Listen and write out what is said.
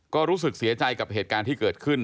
ก็รู้สึกเสียใจกับเหตุการณ์ที่เกิดขึ้น